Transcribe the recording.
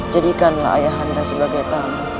jadikanlah ayah anda sebagai tamu